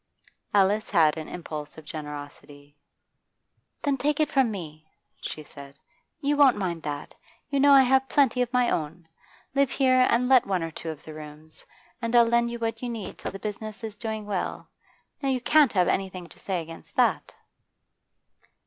Alice had an impulse of generosity. 'Then take it from me,' she said. 'You won't mind that. You know I have plenty of my own. Live here and let one or two of the rooms, and I'll lend you what you need till the business is doing well. Now you can't have anything to say against that?